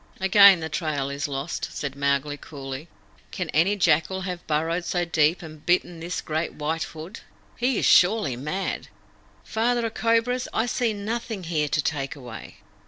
"Again the trail is lost," said Mowgli coolly. "Can any jackal have burrowed so deep and bitten this great White Hood? He is surely mad. Father of Cobras, I see nothing here to take away."